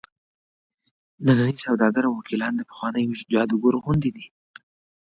ننني سوداګر او وکیلان د پخوانیو جادوګرو غوندې دي.